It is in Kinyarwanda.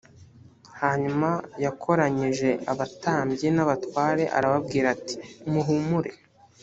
hanyuma yakoranyije abatambyi n abatware arababwira ati muhumure